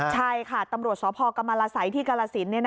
ใช่ค่ะตำรวจสพกรรมรสัยที่กาลสิน